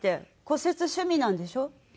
骨折趣味なんでしょ？